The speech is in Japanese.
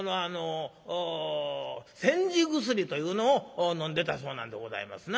煎じ薬というのを飲んでたそうなんでございますな。